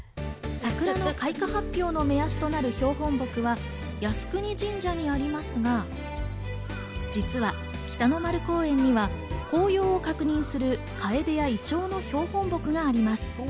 桜の開花発表の目安となる標本木は靖国神社にありますが、実は北の丸公園には紅葉を確認するカエデやイチョウの標本木があります。